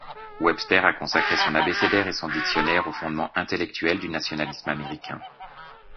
Webster a consacré son abécédaire et son dictionnaire au fondement intellectuel du nationalisme américain.